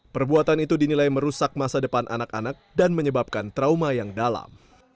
perbuatan itu dinilai merusak masa depan anak anak dan menyebabkan trauma yang dalam